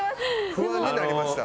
不安になりました。